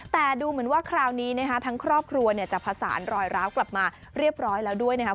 แต่ดูเหมือนว่าคราวนี้นะคะทั้งครอบครัวเนี่ยจะผสานรอยร้าวกลับมาเรียบร้อยแล้วด้วยนะครับ